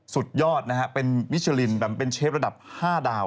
สุดยอดนะฮะเป็นมิชลินแบบเป็นเชฟระดับ๕ดาว